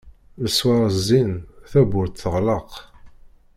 Leswar zzin, tawwurt teɣleq.